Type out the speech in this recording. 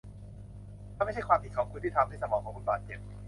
มันไม่ใช่ความผิดของคุณที่ทำให้สมองของคุณบาดเจ็บ